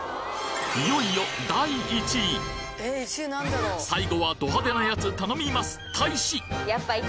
いよいよ最後はド派手なやつ頼みます大使！